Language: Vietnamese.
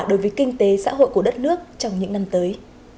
đối với kinh tế xã hội của đất nước trong những năm tới